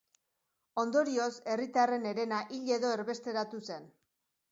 Ondorioz, herritarren herena hil edo erbesteratu zen.